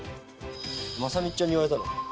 まさみっちゃんに言われたろ。